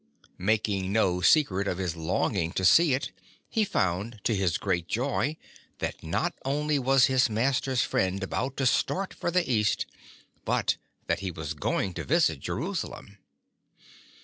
Making no secret of his longing to see it he found to his great joy that not only was his mas ter's friend about to start for the East, but that he was going to visit Jerusalem.